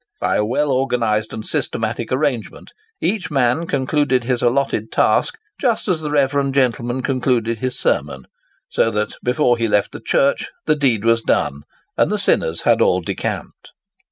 By a well organised and systematic arrangement each man concluded his allotted task just as the reverend gentleman concluded his sermon; so that, before he left the church, the deed was done, and the sinners had all decamped.